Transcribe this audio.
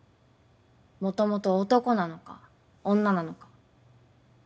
もともと男なのか女なのか。